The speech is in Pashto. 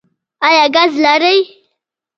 ایا ګاز لرئ؟